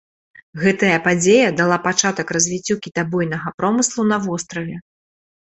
Гэтая падзея дала пачатак развіццю кітабойнага промыслу на востраве.